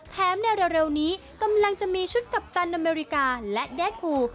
ในเร็วนี้กำลังจะมีชุดกัปตันอเมริกาและแดดคูล